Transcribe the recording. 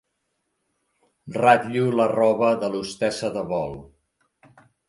Ratllo la roba de l'hostessa de vol.